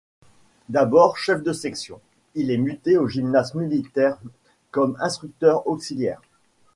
D'abord chef de section, il est muté au gymnase militaire comme instructeur auxiliaire.